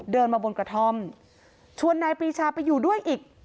เดินมาบนกระท่อมชวนนายปรีชาไปอยู่ด้วยอีก